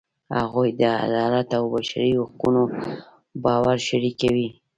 هغوی د عدالت او بشري حقونو باور شریکوي.